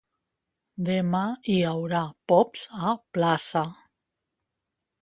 Demà hi haurà pops a plaça.